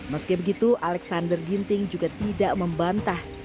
meski begitu alexander ginting juga tidak membantah